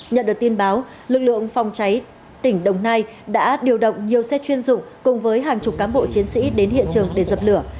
nhận được tin báo lực lượng phòng cháy tỉnh đồng nai đã điều động nhiều xe chuyên dụng cùng với hàng chục cán bộ chiến sĩ đến hiện trường để dập lửa